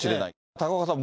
高岡さん。